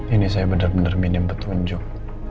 ini saya benar benar minim petunjuk